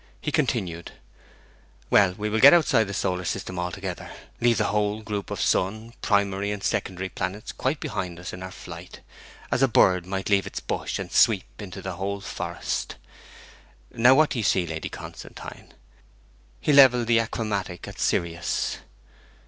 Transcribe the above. He continued, 'Well, we will get outside the solar system altogether, leave the whole group of sun, primary and secondary planets quite behind us in our flight, as a bird might leave its bush and sweep into the whole forest. Now what do you see, Lady Constantine?' He levelled the achromatic at Sirius.